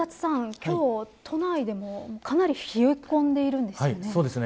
今日、都内でもかなり冷え込んでいるんですよね。